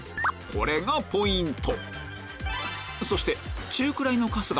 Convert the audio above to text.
これがポイント